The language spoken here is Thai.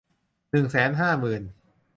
หนึ่งแสนห้าหมื่น